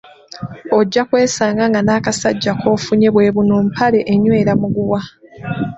Ojja kwesanga nga n'akasajja kofunye bwe buno bu "mpale enywera muguwa".